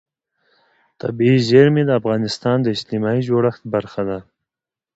طبیعي زیرمې د افغانستان د اجتماعي جوړښت برخه ده.